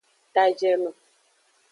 Tajeno.